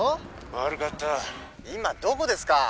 ☎悪かった今どこですか？